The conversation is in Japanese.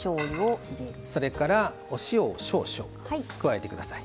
それからお塩を少々加えてください。